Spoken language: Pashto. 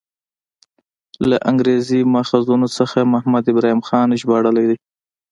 له انګریزي ماخذونو څخه محمد ابراهیم خان ژباړلی دی.